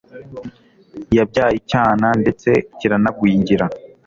yabyaye icyana ndetse kiranagwingira